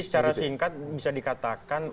secara singkat bisa dikatakan